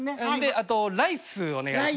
あとライスお願いします。